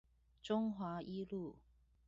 中華一路